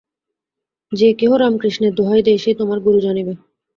যে কেহ রামকৃষ্ণের দোহাই দেয়, সেই তোমার গুরু জানিবে।